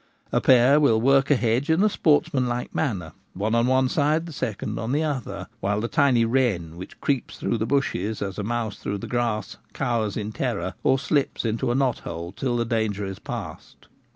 A pair will work a hedge in a sportsmanlike manner, one on one side, the second on the other ; while the tiny wren, which creeps through the bushes as a mouse through the grass, cowers in terror, or slips into a knot hole till the danger is past.